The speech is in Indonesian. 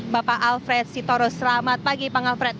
bapak alfred sitorus selamat pagi pak alfred